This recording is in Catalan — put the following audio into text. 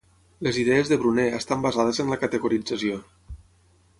Les idees de Bruner estan basades en la categorització.